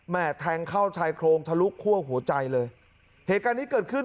แทงเข้าชายโครงทะลุคั่วหัวใจเลยเหตุการณ์นี้เกิดขึ้น